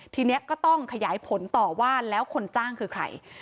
ทีนี้ก็ต้องขยายผลต่อว่าแล้วคนจ้างคือใคร